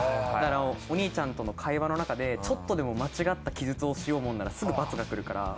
お兄ちゃんとの会話のなかでちょっとでも間違った記述をしようもんならすぐバツがくるから。